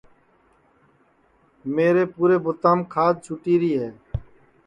میرے پُورے بُوتاپ کھاج چُھٹیری ہے